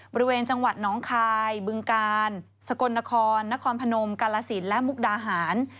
บริเวณจังหวัดน้องคายบึงกาลสกลนครนครพนมกาลสินและมุกดาหาร